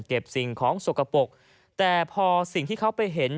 สิ่งของสกปรกแต่พอสิ่งที่เขาไปเห็น